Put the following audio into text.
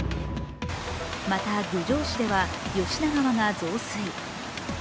また、郡上市では吉田川が増水。